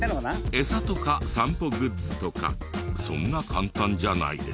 エサとか散歩グッズとかそんな簡単じゃないですよ。